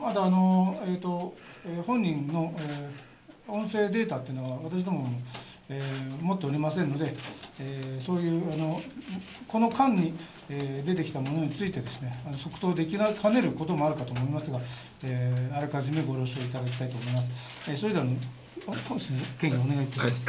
本人の音声データは私ども、持っておりませんので、この間に出てきたものについて即答できかねることもあるかもしれませんがあらかじめご了承いただきたいと思います。